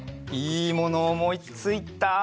いいものおもいついた！